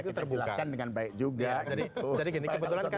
kita jelaskan dengan baik juga